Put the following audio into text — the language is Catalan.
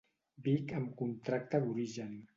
Vic amb contracte d'origen.